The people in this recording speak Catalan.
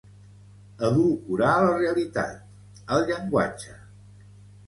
Edulcorar la realitat, el llenguatge.